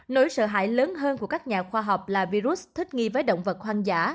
nỗi sợ hãi lớn hơn của các nhà khoa học là virus thích nghi với động vật hoang dã